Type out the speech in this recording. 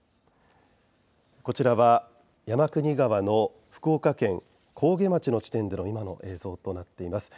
こちらは山国川の福岡県上毛町での今の映像となっています。